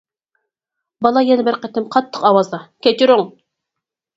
بالا يەنە بىر قېتىم قاتتىق ئاۋازدا:كەچۈرۈڭ!